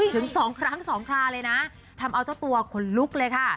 ถึงสองครั้งสองคราเลยนะทำเอาเจ้าตัวขนลุกเลยค่ะ